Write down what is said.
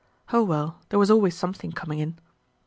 Oh well, there was always something coming in.